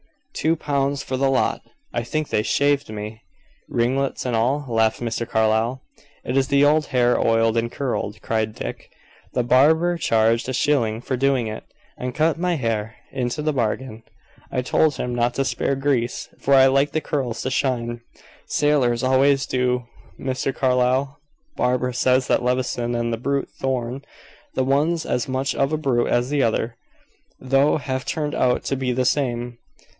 Two pounds for the lot I think they shaved me." "Ringlets and all?" laughed Mr. Carlyle. "It's the old hair oiled and curled," cried Dick. "The barber charged a shilling for doing it, and cut my hair into the bargain. I told him not to spare grease, for I liked the curls to shine sailors always do. Mr. Carlyle, Barbara says that Levison and that brute Thorn the one's as much of a brute as the other, though have turned out to be the same."